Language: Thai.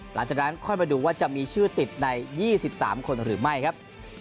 หลังจากนั้นค่อยมาดูว่าจะมีชื่อติดใน๒๓คนหรือไม่ครับ